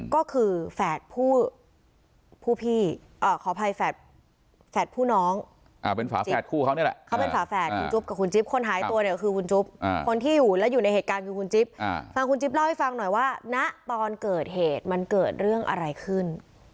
ก็คือแฝดผู้พี่ขออภัยแฝดผู้น้องเป็นฝาแฝดคู่เขานี่แหละเขาเป็นฝาแฝดคุณจุ๊บกับคุณจิ๊บคนหายตัวเนี่ยคือคุณจุ๊บคนที่อยู่และอยู่ในเหตุการณ์คือคุณจิ๊บฟังคุณจิ๊บเล่าให้ฟังหน่อยว่าณตอนเกิดเหตุมันเกิดเรื่องอะไรขึ้น